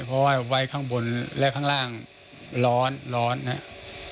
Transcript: เพราะว่าไว้ข้างบนและข้างล่างร้อนร้อนนะครับ